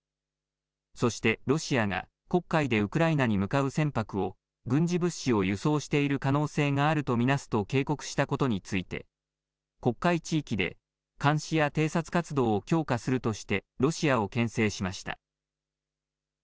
そしてロシアが黒海でウクライナに向かう船舶を軍事物資を輸送している可能性があると見なすと警告したことについて黒海地域で監視や偵察活動を強化するとしてロシアをけん制しました。